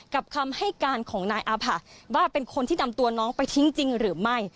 คำให้การของนายอาผะว่าเป็นคนที่นำตัวน้องไปทิ้งจริงหรือไม่